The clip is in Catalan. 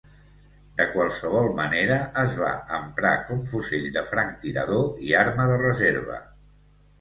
De qualsevol manera, es va emprar com fusell de franctirador i arma de reserva.